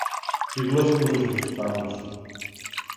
Τι γλώσσα μιλούσαν στο στάβλο σου;